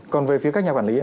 còn về phía các nhà quản lý